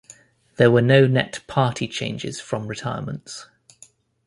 There were no net party changes from retirements.